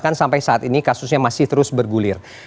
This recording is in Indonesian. atau bahkan sampai saat ini kasusnya masih terus bergulir